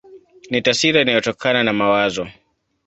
Ni taswira inayotokana na mawazo.